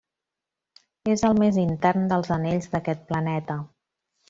És el més intern dels anells d'aquest planeta.